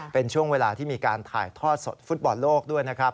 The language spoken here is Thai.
เป็นช่วงเวลาที่มีการถ่ายทอดสดฟุตบอลโลกด้วยนะครับ